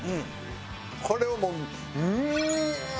これをもううーっ！